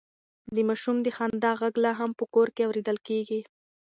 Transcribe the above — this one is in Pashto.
د ماشوم د خندا غږ لا هم په کور کې اورېدل کېږي.